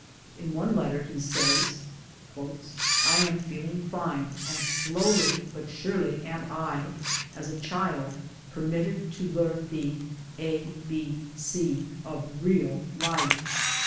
In one letter he says : "I am feeling fine, and slowly but surely am I (as a child) permitted to learn the a, b, c of real life.